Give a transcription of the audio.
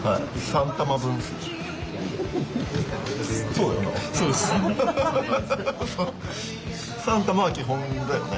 そうだよな？